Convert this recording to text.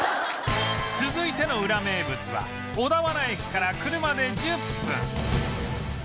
続いてのウラ名物は小田原駅から車で１０分